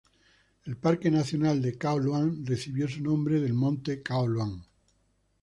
El parque nacional de Khao Luang recibe su nombre del monte Khao Luang.